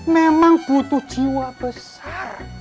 memang butuh jiwa besar